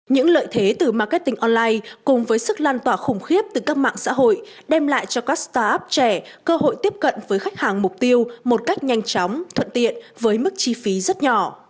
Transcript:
những lợi thế từ marketing online cùng với sức lan tỏa khủng khiếp từ các mạng xã hội đem lại cho các start up trẻ cơ hội tiếp cận với khách hàng mục tiêu một cách nhanh chóng thuận tiện với mức chi phí rất nhỏ